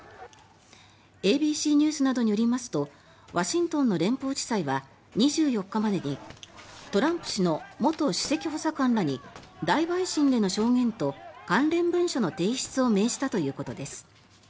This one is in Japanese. ＡＢＣニュースなどによりますとワシントンの連邦地裁は２４日までにトランプ氏の元首席補佐官らに大陪審での証言と関連文書の提出を命じたということです。